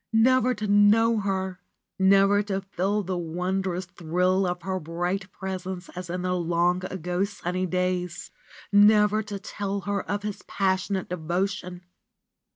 Never to know her ! Never to feel the wondrous thrill of her bright presence as in the long ago sunny days ! Never to tell her of his passionate devotion